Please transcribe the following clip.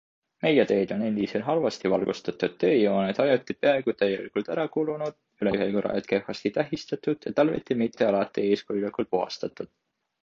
Meie teed on endiselt halvasti valgustatud, teejooned ajuti peaaegu täielikult ära kulunud, ülekäigurajad kehvasti tähistatud ja talviti mitte alati eeskujulikult puhastatud.